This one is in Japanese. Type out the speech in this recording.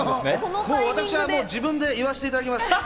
自分で言わせていただきます。